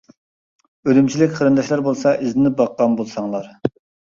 ئۈرۈمچىلىك قېرىنداشلار بولسا ئىزدىنىپ باققان بولساڭلار.